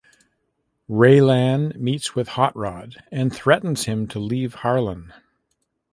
Raylan meets with Hot Rod and threatens him to leave Harlan.